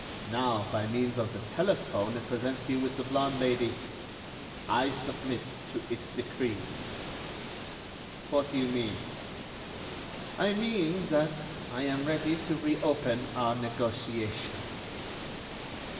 Now, by means of the telephone, it presents you with the blonde Lady. I submit to its decrees." "What do you mean?" "I mean that I am ready to re open our negotiation."